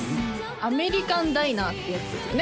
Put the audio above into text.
アメリカンダイナーっていうやつですよね